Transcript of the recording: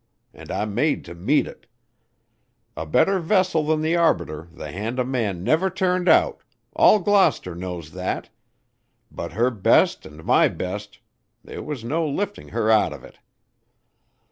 And I made to meet it. A better vessel than the Arbiter the hand o' man never turned out all Gloucester knows that but, her best and my best, there was no lifting her out of it.